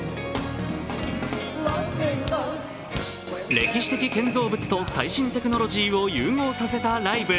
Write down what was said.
歴史的建造物と最新テクノロジーを融合させたライブ。